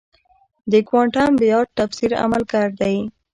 د کوانټم بیارد تفسیر عملگر دی.